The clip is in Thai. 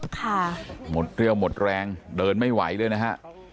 ค่ะหมดเรี่ยวหมดแรงเดินไม่ไหวเลยนะฮะ